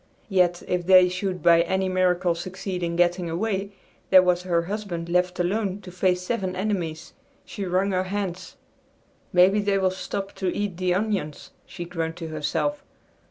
Yet if they should by any miracle succeed in getting away, there was her husband left alone to face seven enemies. She wrung her hands. "Maybe they will stop to eat the onions," she groaned to herself.